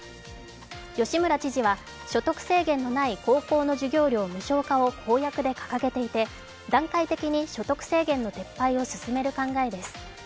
吉村知事は所得制限のない高校の授業料無償化を公約で掲げていて、段階的に所得制限の撤廃を進める考えです。